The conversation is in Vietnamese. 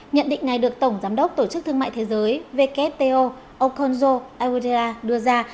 nhận định này được tổng giám đốc tổ chức thương mại thế giới wto okonjo august đưa ra